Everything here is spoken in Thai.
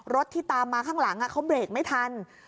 ที่ตามมาข้างหลังเขาเบรกไม่ทัน